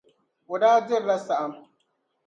O daa dirila saɣim.